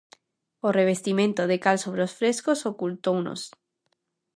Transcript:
O revestimento de cal sobre os frescos ocultounos.